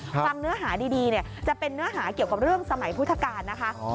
ฟังเนื้อหาดีจะเป็นเนื้อหาเกี่ยวกับเรื่องสมัยพุทธกาลนะคะ